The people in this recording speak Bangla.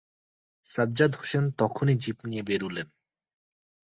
সাজ্জাদ হোসেন তক্ষুণি জীপ নিয়ে বেরুলেন।